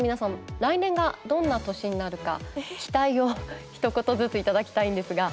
来年がどんな年になるか期待をひと言ずつ頂きたいんですが。